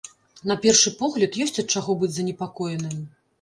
На першы погляд, ёсць ад чаго быць занепакоеным.